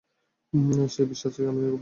সেই বিশ্বাস থেকেই আমি এগোব।